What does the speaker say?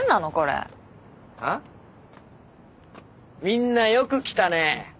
みんなよく来たね。